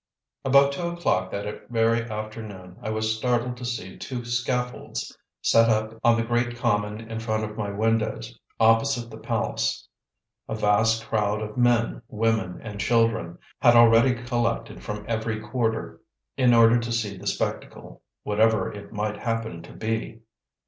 About two o'clock that very afternoon I was startled to see two scaffolds set up on the great common in front of my windows, opposite the palace. A vast crowd of men, women, and children had already collected from every quarter, in order to see the spectacle, whatever it might happen to be.